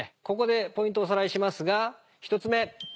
ここでポイントをおさらいしますが１つ目。